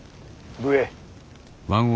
武衛。